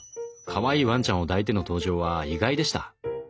かわいいワンちゃんを抱いての登場は意外でした。